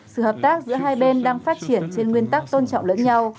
sự hợp tác giữa hai bên đang phát triển trên nguyên tắc tôn trọng lẫn nhau